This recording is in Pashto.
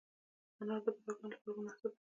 انار د بوډاګانو لپاره مناسب دی.